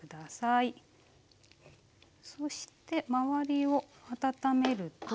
そして周りを温めると。